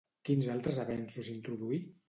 Quins altres avenços introduí?